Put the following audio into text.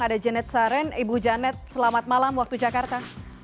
ada janet saren ibu janet selamat malam waktu jakarta